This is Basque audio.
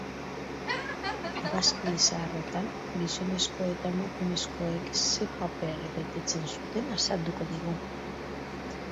Argazki zaharretan, gizonezko eta emakumezkoek zen paper betetzen zuten azalduko digu.